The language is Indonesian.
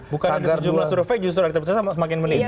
bukan ada sejumlah survei justru elektabilitasnya semakin meningkat